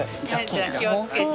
じゃあ気をつけて。